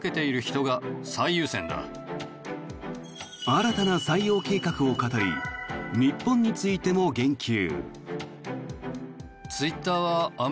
新たな採用計画を語り日本についても言及。